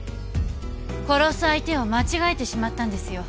殺す相手を間違えてしまったんですよ